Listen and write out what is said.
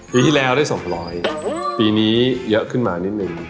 ปีที่แล้วได้๒๐๐ปีนี้เยอะขึ้นมานิดนึง